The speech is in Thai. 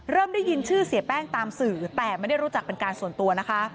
ได้ยินชื่อเสียแป้งตามสื่อแต่ไม่ได้รู้จักเป็นการส่วนตัวนะคะ